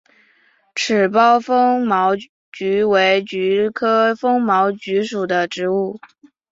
齿苞风毛菊为菊科风毛菊属的植物。